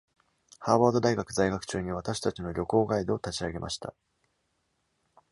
ハーバード大学在学中に「私たちの旅行ガイド」を立ち上げました。